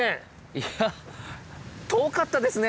いや遠かったですね！